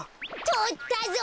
とったぞ！